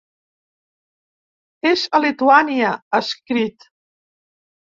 És a Lituània, ha escrit.